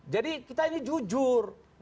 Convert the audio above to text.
jadi kita ini jujur